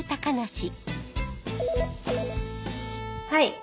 はい。